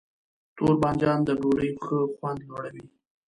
تور بانجان د ډوډۍ ښه خوند لوړوي.